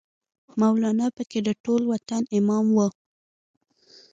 مولانا پکې د ټول وطن امام وای